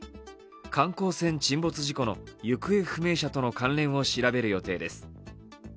観光船沈没事故の行方不明者との関連を調べる予定です。